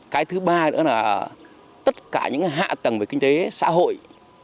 cái thứ ba nữa là tất cả những hạ tầng về kinh tế xã hội